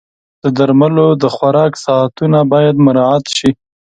د درملو د خوراک ساعتونه باید مراعت شي.